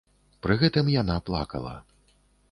Пры гэтым яна плакала.